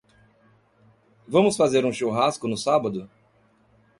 Vamos fazer um churrasco no sábado?